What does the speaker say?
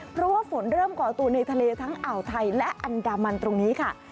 เพราะว่าฝนเริ่มก่อตัวในทะเลทั้งอ่าวไทยและอันดามันตรงนี้ค่ะ